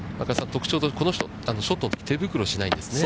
特徴として、この人、ショットのとき手袋しないんですね。